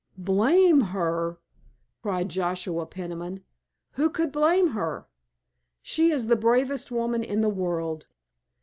"Blame her?" cried Joshua Peniman. "Who could blame her? She is the bravest woman in the world.